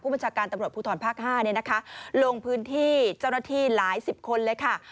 บัญชาการตำรวจภูทรภาค๕ลงพื้นที่เจ้าหน้าที่หลายสิบคนเลยค่ะ